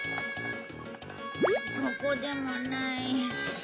ここでもない。